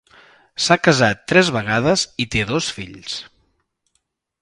S'ha casat tres vegades i té dos fills.